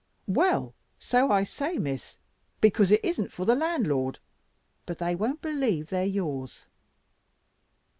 "Well, so I say, Miss; because it isn't for the landlord; but they won't believe they are yours."